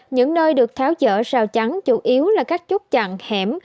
những nơi được tháo dỡ rào chắn chủ yếu là các chốt chặn hẻm